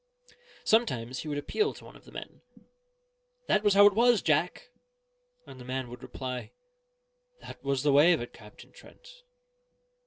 Sometimes he would appeal to one of the men "That was how it was, Jack?" and the man would reply, "That was the way of it, Captain Trent."